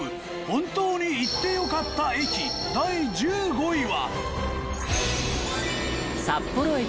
本当に行ってよかった駅第１５位は。